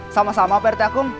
sama sama pak rt aku